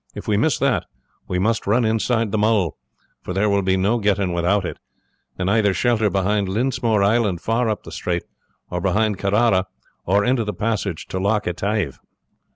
If we miss that, we must run inside Mull for there will be no getting without it and either shelter behind Lismore island far up the strait, or behind Kerara, or into the passage to Loch Etive."